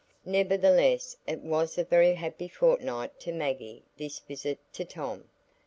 Nevertheless it was a very happy fortnight to Maggie, this visit to Tom.